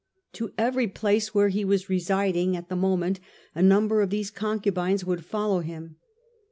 To every place where he was residing at the moment a number of these concubines would follow him.